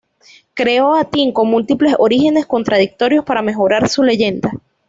Creó a Tim con múltiples orígenes contradictorios para mejorar su leyenda.